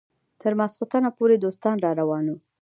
تر ماخستنه پورې دوستان راروان وو.